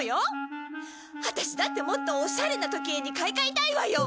ワタシだってもっとオシャレな時計に買い替えたいわよ！